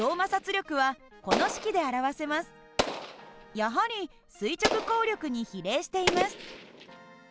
やはり垂直抗力に比例しています。